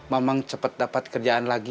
mamang cepet dapat kerjaan lagi